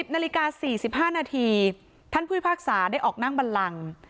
นาฬิกา๔๕นาทีท่านผู้พิพากษาได้ออกนั่งบันลัง